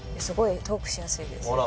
すごいトークしやすいです。